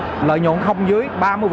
thì tỉnh hồ chí minh sẽ không dưới ba mươi